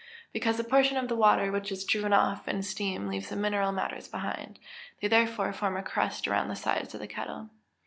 _ Because that portion of the water which is driven off in steam leaves the mineral matters behind; they therefore form a crust around the sides of the kettle.